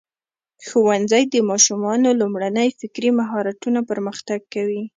ښوونځی د ماشومانو لومړني فکري مهارتونه پرمختګ کوي.